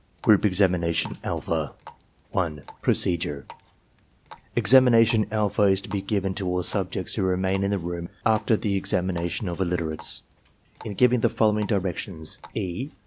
GROUP EXAMINATION ALPHA 1. PROCEDURE Examination alpha is to be given to all subjects who remain in the room after the elimination of iUiterates. In giving the following directions E.